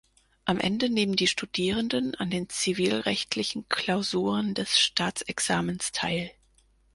Am Ende nehmen die Studierenden an den zivilrechtlichen Klausuren des Staatsexamens teil.